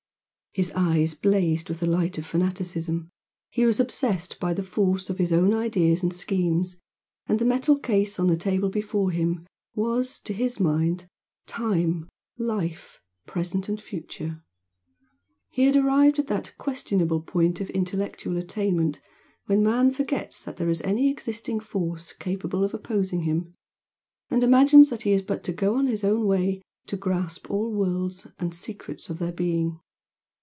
His eyes blazed with the light of fanaticism he was obsessed by the force of his own ideas and schemes, and the metal case on the table before him was, to his mind, time, life, present and future. He had arrived at that questionable point of intellectual attainment when man forgets that there is any existing force capable of opposing him, and imagines that he has but to go on in his own way to grasp all worlds and the secrets of their being.